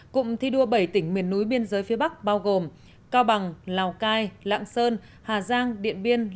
cụm thi đua bảy tỉnh miền núi biên giới phía bắc bao gồm cao bằng lào cai lạng sơn hà giang điện biên